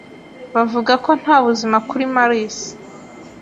Bavuga ko nta buzima kuri Mars.